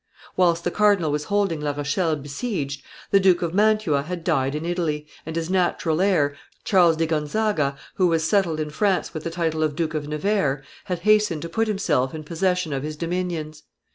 Whilst the cardinal was holding La Rochelle besieged, the Duke of Mantua had died in Italy, and his natural heir, Charles di Gonzaga, who was settled in France with the title of Duke of Nevers, had hastened to put himself in possession of his dominions.